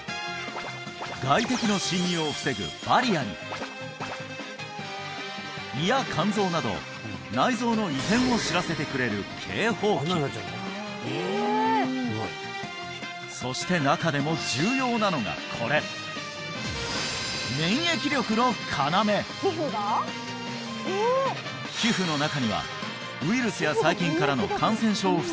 外敵の侵入を防ぐバリアに胃や肝臓など内臓の異変を知らせてくれる警報機そして中でも皮膚の中にはウイルスや細菌からの感染症を防ぐ